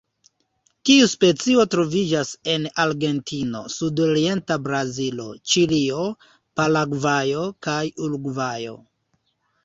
Tiu specio troviĝas en Argentino, sudorienta Brazilo, Ĉilio, Paragvajo kaj Urugvajo.